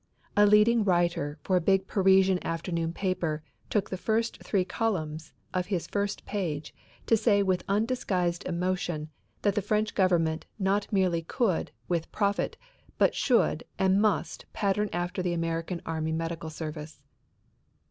A leading writer for a big Parisian afternoon paper took the first three columns of his first page to say with undisguised emotion that the French government not merely could, with profit, but should and must pattern after the American Army Medical Service.